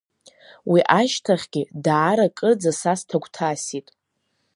Уи ашьҭахьгьы, даара кырӡа са сҭагәҭасит,…